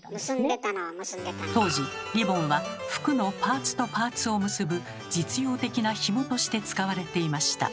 当時リボンは服のパーツとパーツを結ぶ実用的なひもとして使われていました。